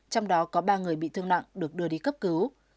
trong đó có ba người bị thương nặng được đưa đi cấp cứu